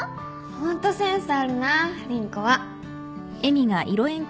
ホントセンスあるな凛子は